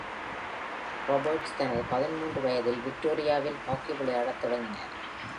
Roberts தனது பதின்மூன்று வயதில் விக்டோரியாவில் ஹாக்கி விளையாடத் தொடங்கினார்.